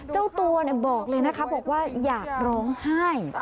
เจ้าตัวบอกเลยนะคะบอกว่าอยากร้องไห้